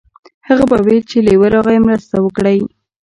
هغه به ویل چې لیوه راغی مرسته وکړئ.